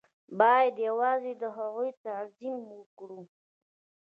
بايد يوازې د هغو تعظيم وکړو.